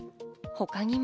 他にも。